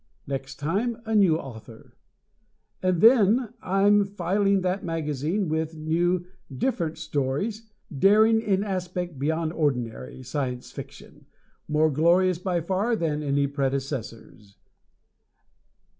Next time a new author. And then I'm filling that magazine with new "different" stories, daring in aspect beyond ordinary Science Fiction, more glorious by far than any predecessors.